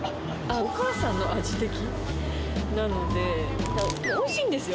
お母さんの味なので、おいしいんですよ。